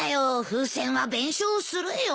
風船は弁償するよ。